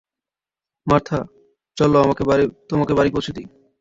Martha, চলো তোমাকে বাড়ি পৌঁছে দিই।